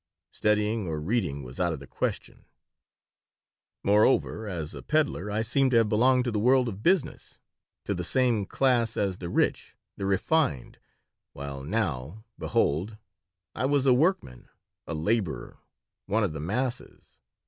Studying or reading was out of the question Moreover, as a peddler I seemed to have belonged to the world of business, to the same class as the rich, the refined, while now, behold! I was a workman, a laborer, one of the masses.